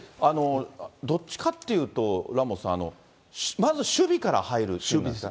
どっちかって言うと、ラモスさん、まず守備から入るんですか。